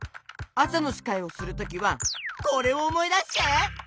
あさのしかいをするときはこれをおもいだして！